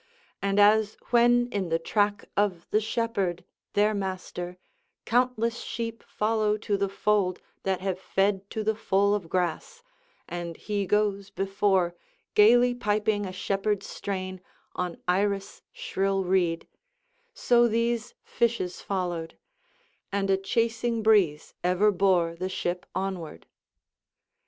And as when in the track of the shepherd, their master, countless sheep follow to the fold that have fed to the full of grass, and he goes before gaily piping a shepherd's strain on Iris shrill reed; so these fishes followed; and a chasing breeze ever bore the ship onward.